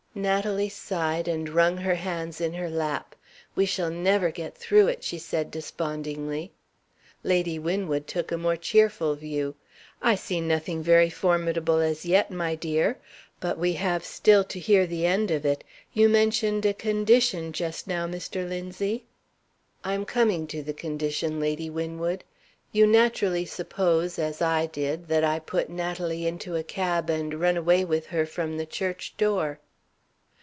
Natalie sighed, and wrung her hands in her lap. "We shall never get through it," she said, despondingly. Lady Winwood took a more cheerful view. "I see nothing very formidable as yet, my dear. But we have still to hear the end of it. You mentioned a condition just now, Mr. Linzie. "I am coming to the condition, Lady Winwood. You naturally suppose, as I did, that I put Natalie into a cab, and run away with her from the church door?"